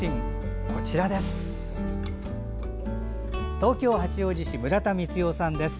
東京・八王子市村田光代さんです。